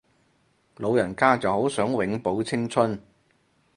老人家就好想永葆青春